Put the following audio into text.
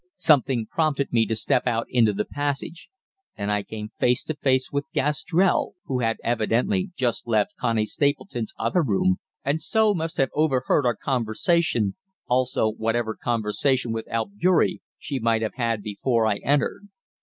Something prompted me to step out into the passage, and I came face to face with Gastrell, who had evidently just left Connie Stapleton's other room and so must have overheard our conversation, also whatever conversation with Albeury she might have had before I entered.